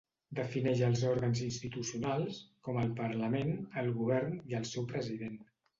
Defineix els òrgans institucionals com el Parlament, el Govern i el seu President.